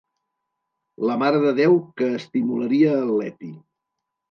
La marededéu que estimularia el Ieti.